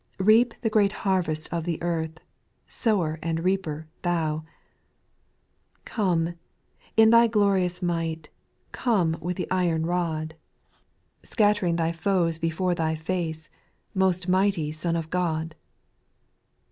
Reap the great harvest of the earth, Sower and reaper Thou I 6. Come, in Thy glorious might. Come, with the iron rod, 812 SPIRITUAL SONGS. Scattering Thy foes before Thy face, Most mighty Son of God.